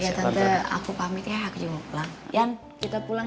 ya tante aku pamit ya aku juga mau pulang